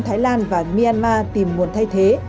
thái lan và myanmar tìm nguồn thay thế